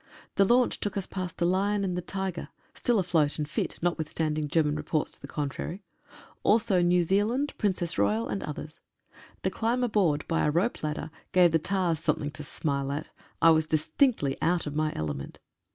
The launch took us past the Lion and the Tiger 136 OUR SEA POWER. (still afloat and fit, notwithstanding German reports to the contrary), also New Zealand, Princess Royal, and others. The climb aboard by a rope ladder gave the tars something to smile at. I was distinctly out of my element.